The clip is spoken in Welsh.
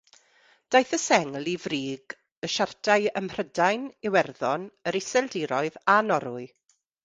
Daeth y sengl i frig y siartiau ym Mhrydain, Iwerddon, yr Iseldiroedd a Norwy.